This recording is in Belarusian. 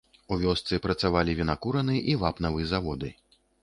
У вёсцы працавалі вінакурны і вапнавы заводы.